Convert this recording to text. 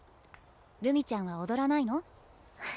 るみちゃんは踊らないの？